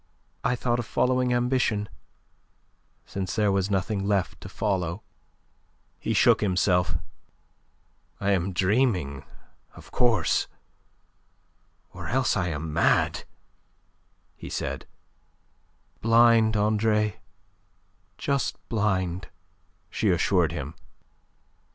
"I thought of following ambition, since there was nothing left to follow." He shook himself. "I am dreaming, of course, or else I am mad," he said. "Blind, Andre; just blind," she assured him.